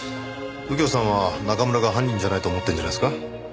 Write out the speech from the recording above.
右京さんは中村が犯人じゃないと思ってるんじゃないですか？